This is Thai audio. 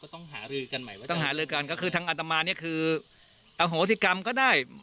ต้องหารือกันใหม่ว่าต้องหารือกันก็คือทางอัตมาเนี่ยคืออโหสิกรรมก็ได้